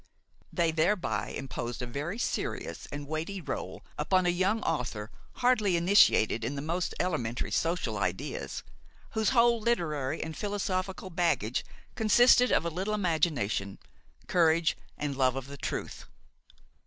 They thereby imposed a very serious and weighty rôle upon a young author hardly initiated in the most elementary social ideas, whose whole literary and philosophical baggage consisted of a little imagination, courage and love of the truth.